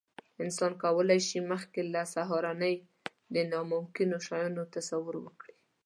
انسان کولی شي، مخکې له سهارنۍ د ناممکنو شیانو تصور وکړي.